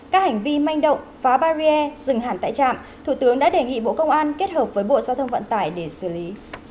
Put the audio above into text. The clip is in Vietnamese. các hành vi manh động phá barrier dừng hẳn tại trạm thủ tướng đã đề nghị bộ công an kết hợp với bộ giao thông vận tải để xử lý